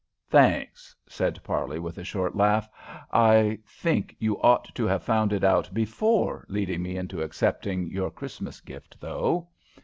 "Thanks," said Parley, with a short laugh. "I think you ought to have found it out before leading me into accepting your Christmas gift, though."